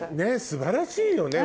素晴らしいよね